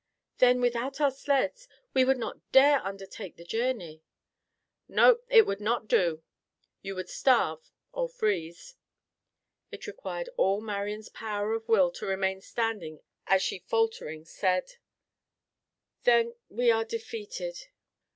"Then, without our sleds, we would not dare undertake the journey." "No. It would not do. You would starve or freeze." It required all Marian's power of will to remain standing as she faltering said; "Then we are defeated.